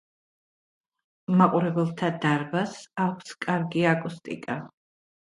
მაყურებელთა დარბაზს აქვს კარგი აკუსტიკა.